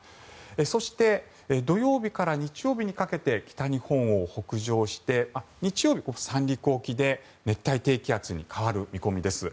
そして土曜日から日曜日にかけて北日本を北上して日曜日、三陸沖で熱帯低気圧に変わる見込みです。